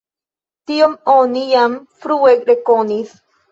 Tion oni jam frue rekonis.